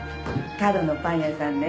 角のパン屋さんね？